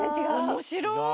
面白い。